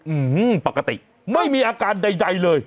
อืมปกติไม่มีอาการใดเลย